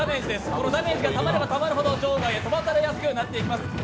このダメージがたまればたまるほど場外へ飛ばされやすくなってます。